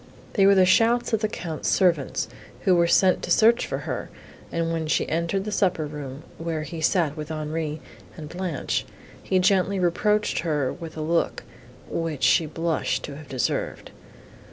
They were the shouts of the Count's servants, who were sent to search for her; and when she entered the supper room, where he sat with Henri and Blanche, he gently reproached her with a look, which she blushed to have deserved.